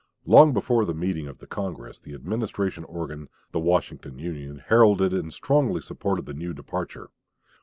Long before the meeting of Congress, the Administration organ, the "Washington Union," heralded and strongly supported the new departure.